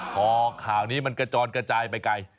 พอข่าวนี้มันกระจอนกระจายไปไกล